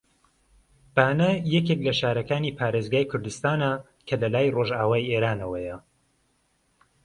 بانە یەکێک لە شارەکانی پارێزگای کوردستانە کە لە لای ڕۆژئاوای ئێرانەوەیە